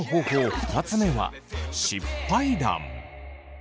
２つ目は失敗談。